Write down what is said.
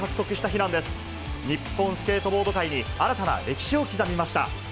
日本スケートボード界に新たな歴史を刻みました。